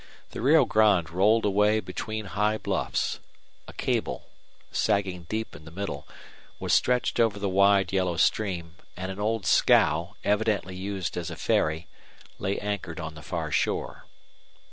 The Rio Grande rolled away between high bluffs. A cable, sagging deep in the middle, was stretched over the wide yellow stream, and an old scow, evidently used as a ferry, lay anchored on the far shore.